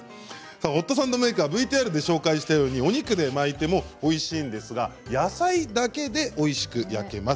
ホットサンドメーカーはＶＴＲで紹介したように肉で巻いてもおいしいんですが野菜だけでもおいしく焼けます。